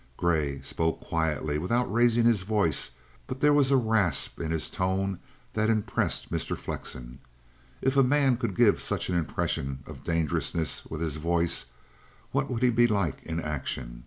Grey spoke quietly, without raising his voice, but there was a rasp in his tone that impressed Mr. Flexen. If a man could give such an impression of dangerousness with his voice, what would he be like in action?